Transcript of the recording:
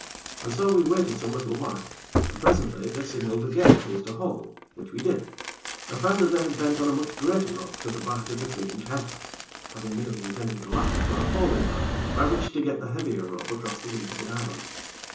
And so we waited some little while, and, presently, they signaled again to us to haul, which we did, and found that they had bent on a much greater rope to the bight of the three inch hemp, having merely intended the latter for a hauling line by which to get the heavier rope across the weed to the island.